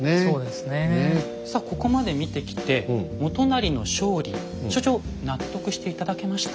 さあここまで見てきて元就の勝利所長納得して頂けました？